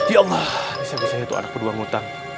ya allah bisa bisanya tuh anak peduang utang